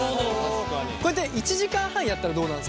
これって１時間半やったらどうなるんですか？